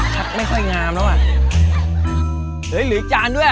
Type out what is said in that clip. พักไม่ค่อยงามนะวะไอ้เหลือจานด้วย